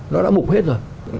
nó đã mụn hết rồi